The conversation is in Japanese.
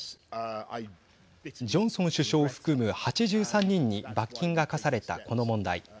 ジョンソン首相を含む８３人に罰金が科されたこの問題。